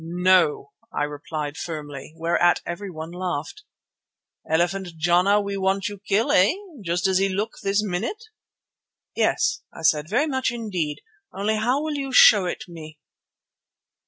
"No," I replied firmly, whereat everyone laughed. "Elephant Jana we want you kill, eh? Just as he look this minute." "Yes," I said, "very much indeed, only how will you show it me?"